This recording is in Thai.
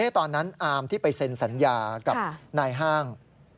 ตอนนั้นอามที่ไปเซ็นสัญญากับนายห้าง